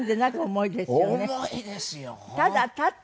重いですね。